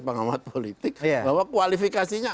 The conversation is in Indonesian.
pengawat politik bahwa kualifikasinya